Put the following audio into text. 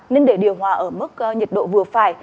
nên để điều hòa ở mức nhiệt độ vừa phải